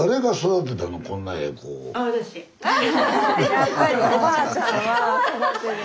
やっぱりおばあちゃんは。